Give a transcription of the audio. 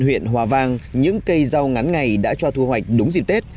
huyện hòa vang những cây rau ngắn ngày đã cho thu hoạch đúng dịp tết